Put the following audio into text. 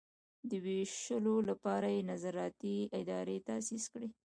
د ویشلو لپاره یې نظارتي ادارې تاسیس کړي.